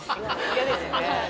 嫌ですよね。